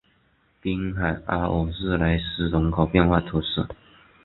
滨海阿尔日莱斯人口变化图示